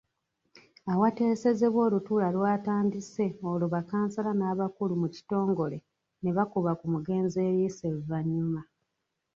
Awateesezebwa olutuula lwatandise olwo bakkansala n'abakulu mu kitongole nebakuba ku mugenzi eriiso evannyuma.